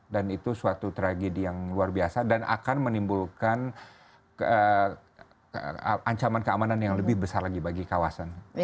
dan itu suatu tragedi yang luar biasa dan akan menimbulkan ancaman keamanan yang lebih besar lagi bagi kawasan